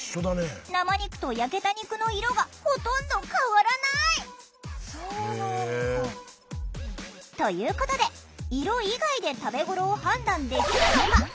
生肉と焼けた肉の色がほとんど変わらない！ということで色以外で食べ頃を判断できるのか。